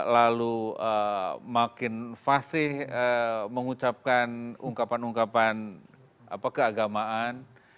lalu makin fasih mengucapkan ungkapan ungkapan keagamaan